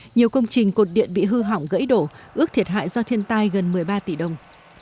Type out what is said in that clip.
nhiều công trình cột điện bị hư hỏng gãy đổ ước thiệt hại do thiên tai gần một mươi ba tỷ đồng